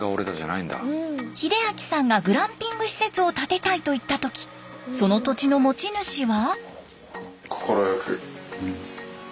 秀明さんがグランピング施設を建てたいと言った時その土地の持ち主は。